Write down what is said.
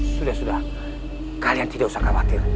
sudah sudah kalian tidak usah khawatir